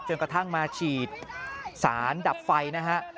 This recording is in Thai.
กระทั่งมาฉีดสารดับไฟนะฮะ